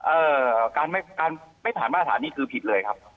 เอ่อการไม่การไม่ผ่านมาตรฐานนี้คือผิดเลยครับ